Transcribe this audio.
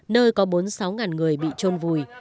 nơi có bốn mươi sáu người bị trôn vùi